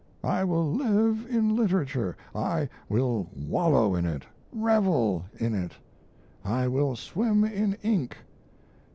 I will live in literature, I will wallow in it, revel in it; I will swim in ink!